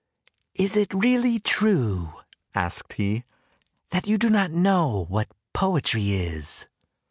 " Is it really true," asked he, " that you do not know what poetry is?